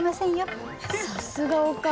さすがお母さん。